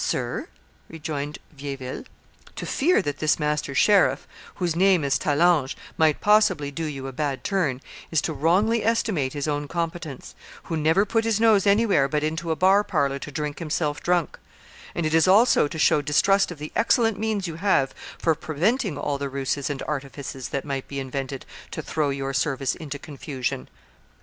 "Sir," rejoined Vieilleville, "to fear that this master sheriff, whose name is Tallanges, might possibly do you a bad turn, is to wrongly estimate his own competence, who never put his nose anywhere but into a bar parlor to drink himself drunk; and it is also to show distrust of the excellent means you have for preventing all the ruses and artifices that might be invented to throw your service into confusion."